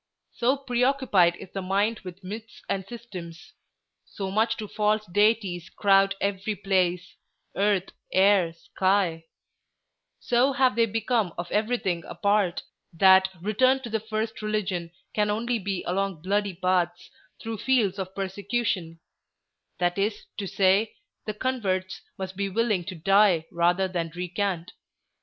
So preoccupied is the mind with myths and systems; so much do false deities crowd every place—earth, air, sky; so have they become of everything a part, that return to the first religion can only be along bloody paths, through fields of persecution; that is to say, the converts must be willing to die rather than recant.